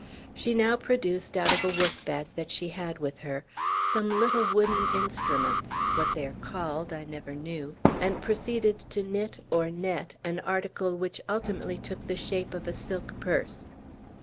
She now produced, out of a work bag that she had with her, some little wooden instruments (what they are called I never knew), and proceeded to knit, or net, an article which ultimately took the shape of a silk purse.